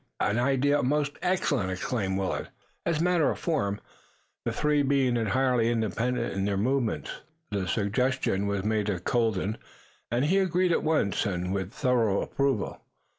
an idea most excellent!" exclaimed Willet. As a matter of form, the three being entirely independent in their movements, the suggestion was made to Colden, and he agreed at once and with thorough approval.